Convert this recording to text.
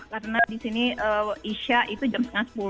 karena di sini isya itu jam sepuluh